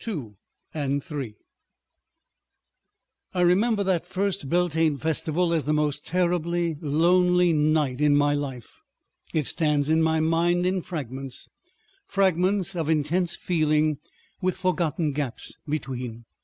§ 2 I remember that first Beltane festival as the most terribly lonely night in my life. It stands in my mind in fragments, fragments of intense feeling with forgotten gaps between.